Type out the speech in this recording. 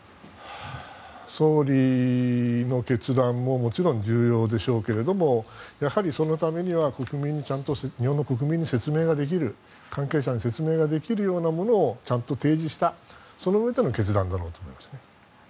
総理の決断ももちろん重要でしょうけれどもやはりそのためには日本の国民にちゃんと説明ができる、関係者に説明ができるようなものをちゃんと提示したそのうえでの決断だろうと思います。